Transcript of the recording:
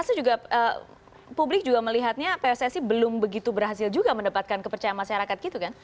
itu juga publik juga melihatnya pssi belum begitu berhasil juga mendapatkan kepercayaan masyarakat gitu kan